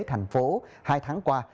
thành phố hai tháng qua